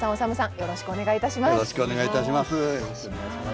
よろしくお願いします。